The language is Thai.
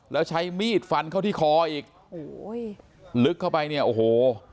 แล้วใช้มีดฟันเข้าที่คออีกโอ้โหลึกเข้าไปเนี่ยโอ้โห